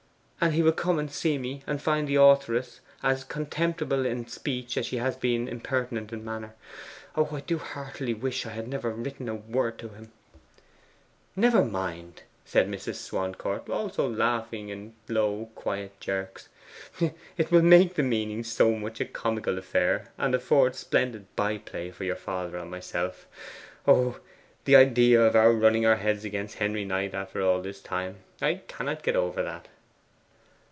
'And he will come and see me, and find the authoress as contemptible in speech as she has been impertinent in manner. I do heartily wish I had never written a word to him!' 'Never mind,' said Mrs. Swancourt, also laughing in low quiet jerks; 'it will make the meeting such a comical affair, and afford splendid by play for your father and myself. The idea of our running our heads against Harry Knight all the time! I cannot get over that.